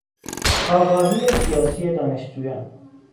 آگاهی سیاسی دانشجویان